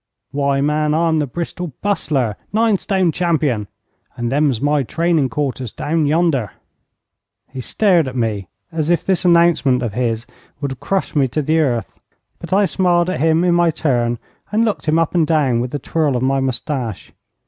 Why, man, I'm the Bristol Bustler, nine stone champion, and them's my training quarters down yonder.' He stared at me as if this announcement of his would have crushed me to the earth, but I smiled at him in my turn, and looked him up and down, with a twirl of my moustache.